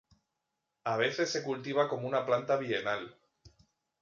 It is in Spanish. A veces se cultiva como una planta bienal.